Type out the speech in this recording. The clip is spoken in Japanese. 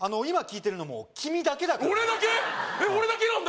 今聞いてるのも君だけだから俺だけ！？